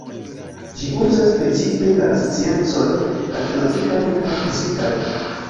Ĝi uzas precipe la sciencojn matematikajn kaj fizikajn.